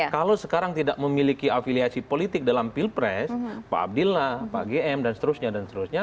kalau sekarang tidak memiliki afiliasi politik dalam pilpres pak abdillah pak gm dan seterusnya dan seterusnya